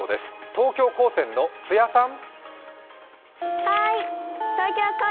東京高専の津谷さん。